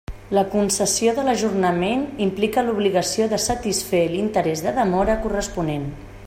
La concessió de l'ajornament implica l'obligació de satisfer l'interès de demora corresponent.